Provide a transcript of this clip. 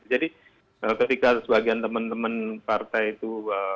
jadi ketika sebagian teman teman partai itu